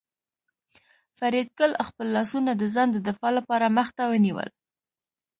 فریدګل خپل لاسونه د ځان د دفاع لپاره مخ ته ونیول